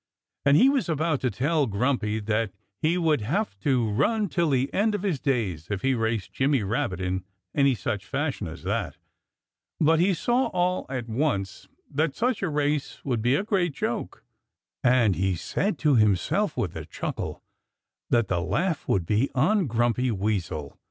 And he was about to tell Grumpy that he would have to run till the end of his days if he raced Jimmy Rabbit in any such fashion as that. But he saw all at once that such a race would be a great joke. And he said to himself with a chuckle that the laugh would be on Grumpy Weasel.